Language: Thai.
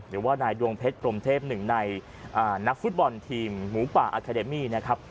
หรือว่านายดวงเพชรพรมเทพหนึ่งในนักฟุตบอลทีมหมูป่าอาคาเดมี่นะครับ